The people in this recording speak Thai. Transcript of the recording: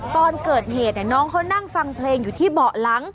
ตอนเกิดเหตุน้องเขานั่งฟังเพลงอยู่ที่เบาะหลัง